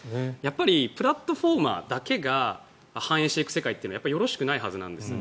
プラットフォーマーだけが繁栄していく世界ってよろしくないはずなんですね。